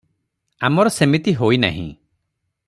ଆମର ସେମିତି ହୋଇନାହିଁ ।